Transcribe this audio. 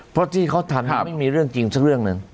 เพราะที่เขาทำให้ไม่มีเรื่องจริงสักเรื่องหนึ่ง